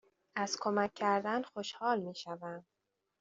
از کمک کردن خوشحال می شوم.